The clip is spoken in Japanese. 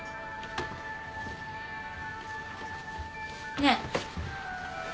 ねえ。